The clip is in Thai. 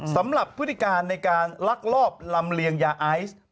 พฤติการในการลักลอบลำเลียงยาไอซ์